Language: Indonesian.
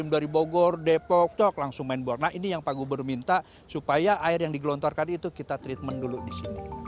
mengingat lokasi waduk yang berada persis di belakang terminal kampung rambutan